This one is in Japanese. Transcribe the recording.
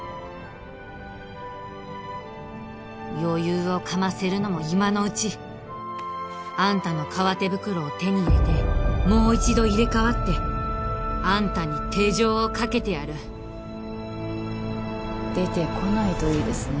余裕をかませるのも今のうちあんたの革手袋を手に入れてもう一度入れ替わってあんたに手錠をかけてやる出てこないといいですね